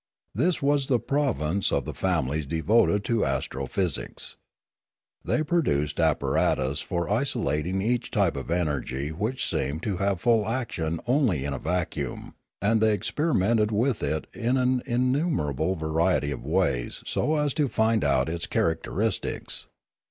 This was the province of the families devoted to astro physics. They produced apparatus for isolating each type of energy which seemed to have full action only in a vacuum, and they experimented with it in an innu merable variety of ways so as to find out its character istics.